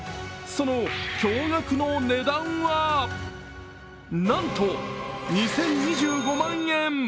その驚がくの値段はなんと、２０２５万円。